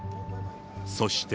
そして。